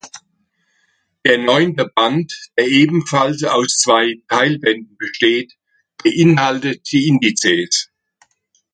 Der neunte Band, der ebenfalls aus zwei Teilbänden besteht, beinhaltet die Indices.